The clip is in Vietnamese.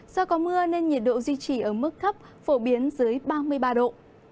do có mưa nên nhiệt độ duy trì ở mức thấp phổ biến dưới ba mươi ba độ